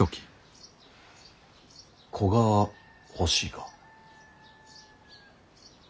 子が欲しいか。